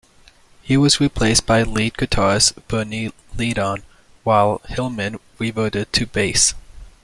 He was replaced by lead guitarist Bernie Leadon, while Hillman reverted to bass.